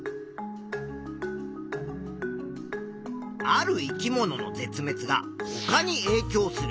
ある生き物の絶滅がほかにえいきょうする。